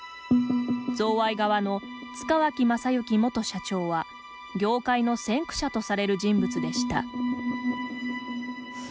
贈賄側の塚脇正幸元社長は業界の先駆者とされる人物でした。